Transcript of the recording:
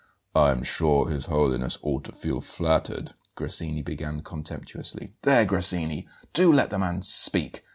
"I am sure His Holiness ought to feel flattered " Grassini began contemptuously. "There, Grassini, do let the man speak!"